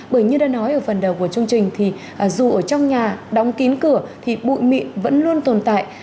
bởi như đã nói ở phần đầu của chương trình thì dù ở trong nhà đóng kín cửa thì bụi mịn vẫn luôn tồn tại